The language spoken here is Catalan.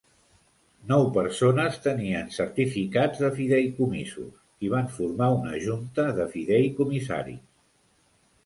Nou persones tenien certificats de fideïcomisos i van formar una junta de fideïcomissaris.